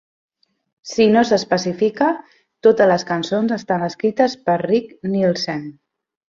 Si no s'especifica, totes les cançons estan escrites per Rick Nielsen.